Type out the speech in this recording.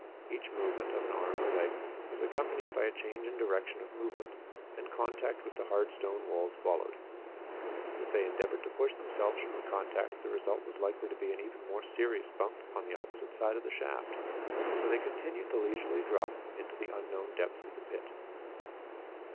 Each movement of an arm or leg was accompanied by a change in direction of movement, and contact with the hard stone walls followed. If they endeavored to push themselves from the contact the result was likely to be an even more serious bump on the opposite side of the shaft. So they continued the leisurely drop into the unknown depth of the pit.